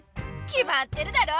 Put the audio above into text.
きまってるだろ！